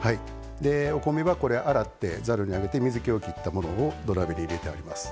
お米は洗ってざるに上げて水けを切ったものを土鍋に入れてあります。